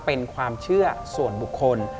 เป็นความเชื่อส่วนบุคคล